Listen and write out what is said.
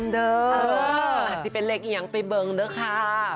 ที่เป็นเลขเอียงไปเบิงด้วยค่ะ